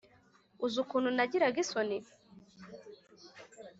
uzi ukuntu nagiraga isoniii